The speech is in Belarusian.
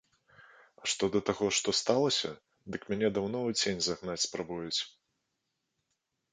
А што да таго, што сталася, дык мяне даўно ў цень загнаць спрабуюць.